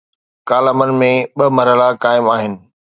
ڪالمن ۾ ٻه مرحلا قائم آهن.